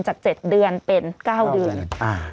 จาก๗เดือนเป็น๙เดือน